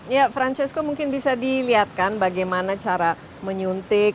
ya francisco mungkin bisa dilihatkan bagaimana cara menyuntik